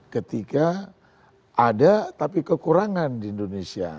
ketiga ada tapi kekurangan di indonesia